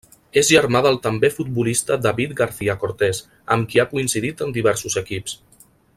És germà del també futbolista David Garcia Cortés, amb qui ha coincidit en diversos equips.